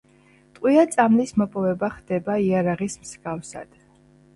ტყვია-წამლის მოპოვება ხდება იარაღის მსგავსად.